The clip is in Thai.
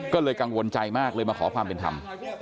ก็เลยกังวลใจมากเลยมาขอความเป็นธรรม